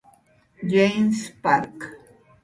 James' Park.